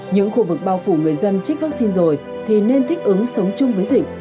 những khu vực bao phủ người dân trích vaccine rồi thì nên thích ứng sống chung với dịch